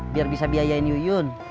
biar bisa biayain yuyun